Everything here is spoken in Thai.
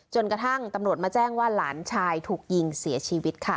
จนกระทั่งตำรวจมาแจ้งว่าหลานชายถูกยิงเสียชีวิตค่ะ